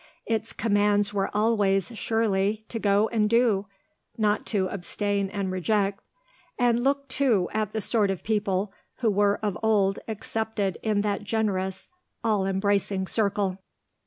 Its commands were always, surely, to go and do, not to abstain and reject. And look, too, at the sort of people who were of old accepted in that generous, all embracing circle....